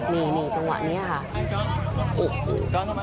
นี่จังหวะนี้ค่ะ